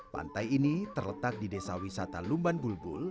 pantai ini terletak di desa wisata lumban bulbul